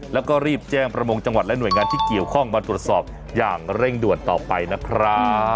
แล้วก็รีบแจ้งประมงจังหวัดและหน่วยงานที่เกี่ยวข้องมาตรวจสอบอย่างเร่งด่วนต่อไปนะครับ